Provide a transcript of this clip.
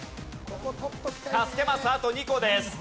助けマスあと２個です。